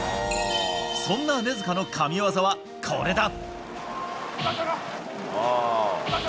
そんな根塚の神技は、これだ。